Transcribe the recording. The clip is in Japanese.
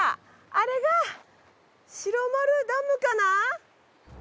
あれが白丸ダムかな？